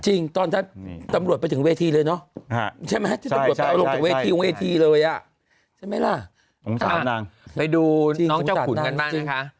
จริงต้อนสร้างตำรวจไปถึงเวทีเลยเนอะใช่ไหมที่ตำรวจไปลงจากเวทีทีเลยแต่ไปดูน้องเจ้าขุนกันมากนะคะ